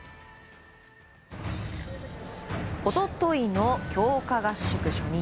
一昨日の強化合宿初日。